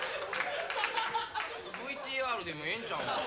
ＶＴＲでもええんちゃうんか。